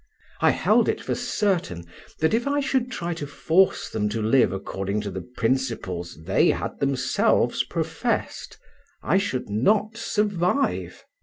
I held it for certain that if I should try to force them to live according to the principles they had themselves professed, I should not survive.